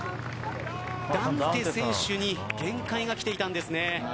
ダンテ選手に限界がきていたんですね。